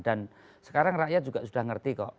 dan sekarang rakyat juga sudah ngerti kok